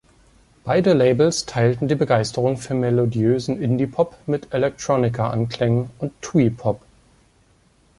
Beide Labels teilten die Begeisterung für melodiösen Indiepop mit Electronica-Anklängen und Twee-Pop.